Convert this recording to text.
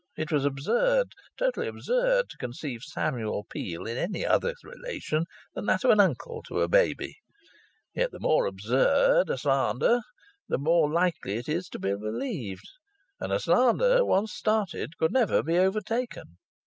It was absurd, totally absurd, to conceive Samuel Peel in any other relation than that of an uncle to a baby; yet the more absurd a slander the more eagerly it was believed, and a slander once started could never be overtaken.